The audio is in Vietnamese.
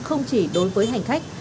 không chỉ đối với hành khách